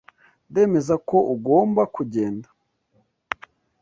Ndemeza ko ugomba kugenda.